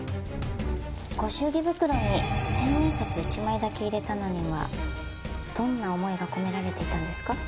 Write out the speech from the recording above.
ご祝儀袋に千円札１枚だけ入れたのにはどんな思いが込められていたんですか？